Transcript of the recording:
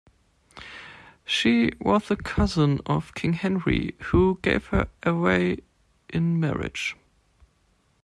She was the cousin of King Henry, who gave her away in marriage.